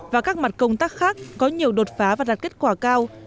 và các mặt công tác khác có nhiều đột phá và đạt kết quả cao